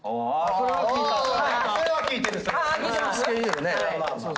それは聞いてる。